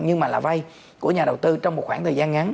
nhưng mà là vay của nhà đầu tư trong một khoảng thời gian ngắn